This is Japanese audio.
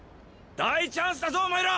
大チャンスだぞお前ら！